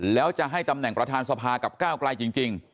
แล้วจะให้ตำแหน่งประธานสภากับก้าวไกลจริง